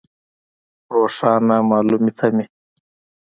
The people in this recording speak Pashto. روښانه مالومې تمې.